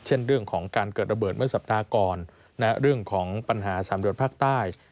เช่นเรื่องของการเกิดระเบิดเมื่อสัปดาห์ก่อนเรื่องของปัญหาสำรวจภาคใต้